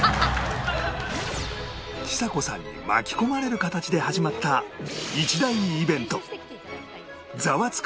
ちさ子さんに巻き込まれる形で始まった一大イベント「ザワつく！